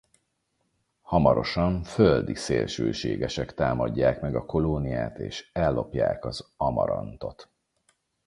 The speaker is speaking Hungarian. Hamarosan földi szélsőségesek támadják meg a kolóniát és ellopják az amarantot.